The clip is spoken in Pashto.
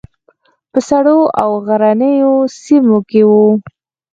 په سړو او غرنیو سیمو کې وو.